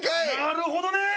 なるほどね！